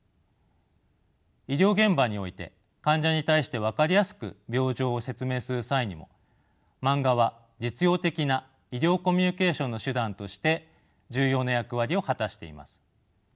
医療現場において患者に対して分かりやすく病状を説明する際にもマンガは実用的な医療コミュニケーションの手段として重要な役割を果たしています。